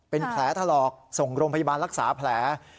เป็นแผลถลอกส่งโรงพยาบาลรักษาแผล